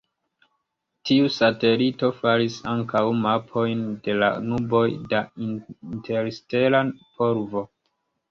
Tiu satelito faris ankaŭ mapojn de la nuboj da interstela polvo.